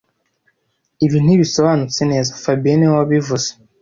Ibi ntibisobanutse neza fabien niwe wabivuze